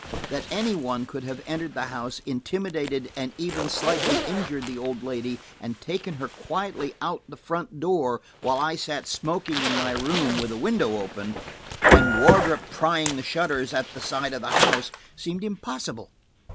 That any one could have entered the house, intimidated and even slightly injured the old lady, and taken her quietly out the front door, while I sat smoking in my room with the window open, and Wardrop trying the shutters at the side of the house, seemed impossible.